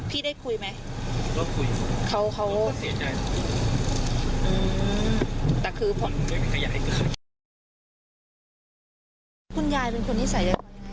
พูดจาน่ารักคุณยาย